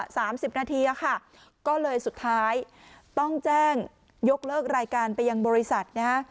สามสิบนาทีอ่ะค่ะก็เลยสุดท้ายต้องแจ้งยกเลิกรายการไปยังบริษัทนะฮะ